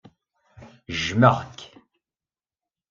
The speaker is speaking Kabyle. Jmeɣ-k.